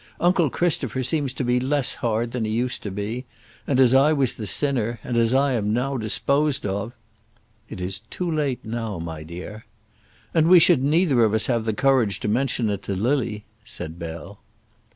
Uncle Christopher seems to be less hard than he used to be; and as I was the sinner, and as I am disposed of " "It is too late now, my dear." "And we should neither of us have the courage to mention it to Lily," said Bell.